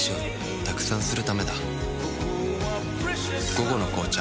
「午後の紅茶」